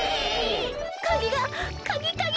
かぎがかぎかぎ！